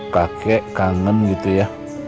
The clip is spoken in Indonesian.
kakek kangen gitu ya